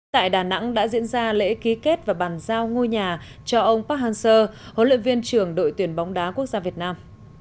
tại đà nẵng đã diễn ra lễ ký kết và bàn giao ngôi nhà cho ông park hang seo huấn luyện viên trưởng đội tuyển bóng đá quốc gia việt nam